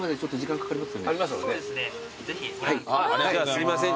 すいません